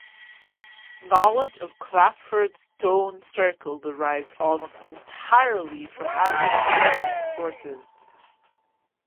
Knowledge of Clatford Stone Circle derives almost entirely from antiquarian sources.